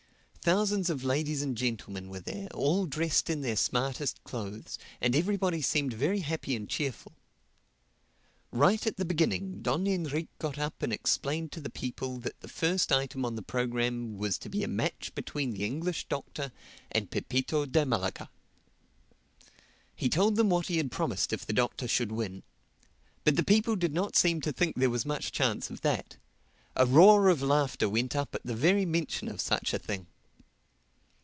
Thousands of ladies and gentlemen were there, all dressed in their smartest clothes; and everybody seemed very happy and cheerful. Right at the beginning Don Enrique got up and explained to the people that the first item on the program was to be a match between the English Doctor and Pepito de Malaga. He told them what he had promised if the Doctor should win. But the people did not seem to think there was much chance of that. A roar of laughter went up at the very mention of such a thing.